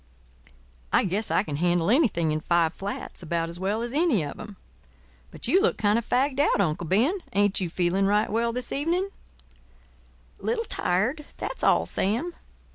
I guess I can handle anything in five flats about as well as any of 'em. But you look kind of fagged out, Uncle Ben—ain't you feeling right well this evening?" "Little tired; that's all, Sam.